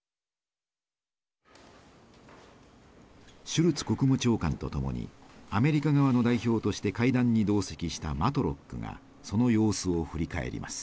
シュルツ国務長官と共にアメリカ側の代表として会談に同席したマトロックがその様子を振り返ります。